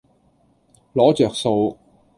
攞著數